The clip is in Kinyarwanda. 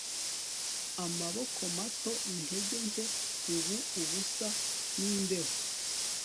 amaboko mato, intege nke, ubu ubusa n'imbeho